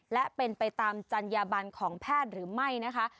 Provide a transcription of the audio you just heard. และเป็นไปตามจัญญาบันของแพทย์หรือไม่นะคะ